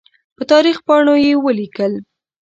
په تاریخ پاڼو یې ولیکل.